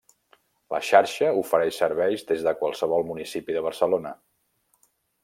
La Xarxa ofereix serveis des de qualsevol municipi de Barcelona.